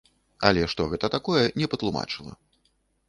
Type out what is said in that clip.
Але што гэта такое, не патлумачыла.